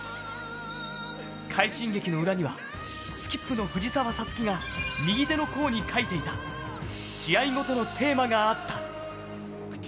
快進撃の裏にはスキップの藤澤五月が右手の甲に書いていた試合ごとのテーマがあった。